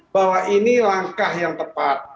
bahwa ini langkah yang tepat